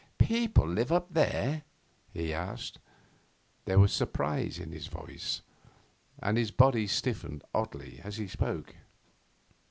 'People live up there?' he asked. There was surprise in his voice, and his body stiffened oddly as he spoke.